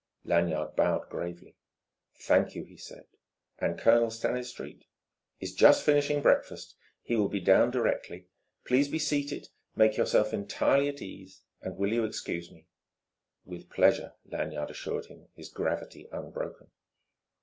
Lanyard bowed gravely. "Thank you," he said. "And Colonel Stanistreet ?" "Is just finishing breakfast. He will be down directly. Please be seated, make yourself entirely at ease. And will you excuse me ?" "With pleasure," Lanyard assured him, his gravity unbroken.